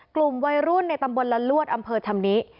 กลุ่มวัยรุ่นในตำบลละลวดอำเภอชำนิ